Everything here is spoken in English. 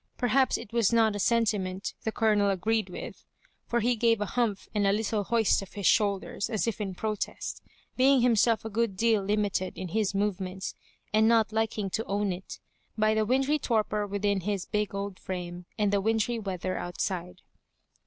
Perhaps it was not a sentiment the' Col onel agreed with, for he gave a humph and a little hoist of his shoulders, as if in protest, being himself a good deal limited in his movements, and not liking to own it, by the wintry torpor within his big old frame, and the wintry weather outside.